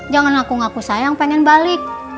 jangan hapung kakupsaya pengen balik